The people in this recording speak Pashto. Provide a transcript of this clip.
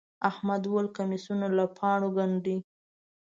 احمد وويل: کمیسونه له پاڼو گنډي.